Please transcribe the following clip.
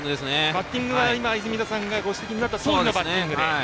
バッティングは泉田さんがご指摘になったとおりのバッティングで。